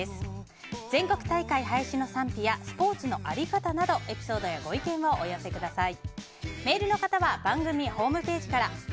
全国大会廃止の賛否やスポーツの在り方などエピソードやご意見をお寄せください。